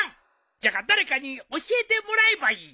じゃが誰かに教えてもらえばいい。